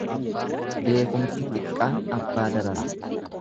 Beekumsi xiqqaan abbaa darara.